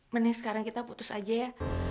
mending sekarang kita putus aja ya